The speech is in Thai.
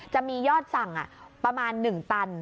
จะมียอดสั่งประมาณ๑ตัน